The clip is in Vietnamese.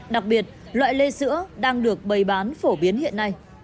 đặc biệt loại lê sữa đang được bày bán phổ biến hiện nay